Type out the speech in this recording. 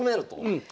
うん。